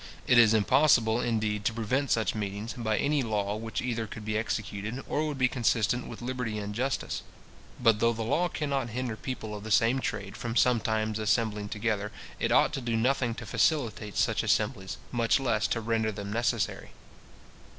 It is impossible, indeed, to prevent such meetings, by any law which either could be executed, or would be consistent with liberty and justice. But though the law cannot hinder people of the same trade from sometimes assembling together, it ought to do nothing to facilitate such assemblies, much less to render them necessary.